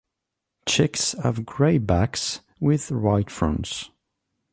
Chicks have grey backs with white fronts.